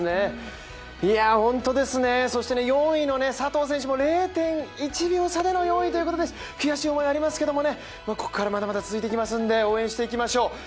４位の佐藤選手も０．１秒差での４位ということで、悔しい思いはありますけれども、ここからまだまだ続いていきますので、応援していきましょう。